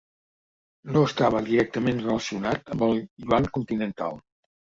No estava directament relacionat amb el yuan continental.